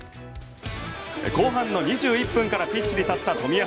後半の２１分からピッチに立った冨安。